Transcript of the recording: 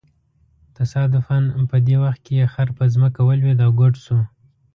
تصادفاً په دې وخت کې یې خر په ځمکه ولویېد او ګوډ شو.